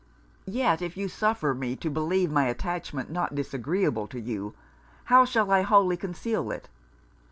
Yet if you suffer me to believe my attachment not disagreeable to you, how shall I wholly conceal it?